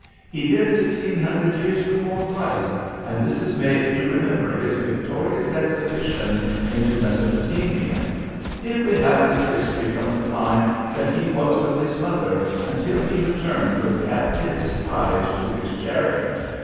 "He live sixteen hundred years before Christ, and this is made to remember his victorious exhibition into Mesopotamia. Here we have his history from the time that he was with his mother, until he return with captives tied to his chariot.